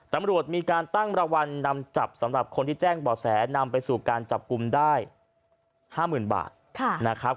ตำรวจมีการตั้งรางวัลนำจับสำหรับคนที่แจ้งบ่อแสนำไปสู่การจับกลุ่มได้๕๐๐๐บาทนะครับ